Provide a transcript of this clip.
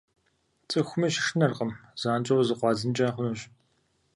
ЦӀыхуми щышынэркъым – занщӀэу зыкъуадзынкӀэ хъунущ.